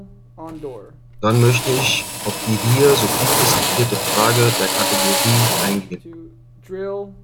Dann möchte ich auf die hier so viel diskutierte Frage der Kategorien eingehen.